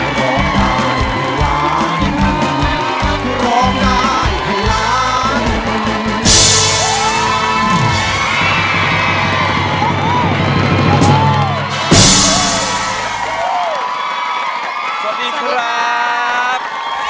สวัสดีครับ